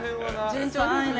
順調ですね。